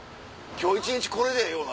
今日一日これでええわ。